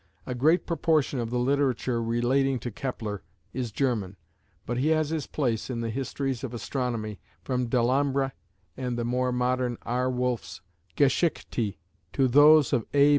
A great proportion of the literature relating to Kepler is German, but he has his place in the histories of astronomy, from Delambre and the more modern R. Wolfs "Geschichte" to those of A.